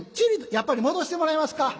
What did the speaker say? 「やっぱり戻してもらえますか。